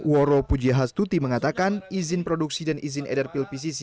woro pujiastuti mengatakan izin produksi dan izin edar pil pcc